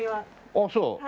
ああそう。